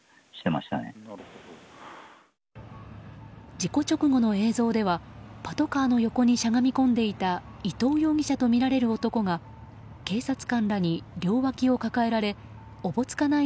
事故直後の映像ではパトカーの横にしゃがみ込んでいた伊東容疑者とみられる男が警察官らに両脇を抱えられおぼつかない